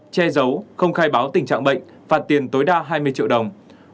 che giấu không khai báo tình trạng bệnh phạt tiền tối đa hai mươi triệu đồng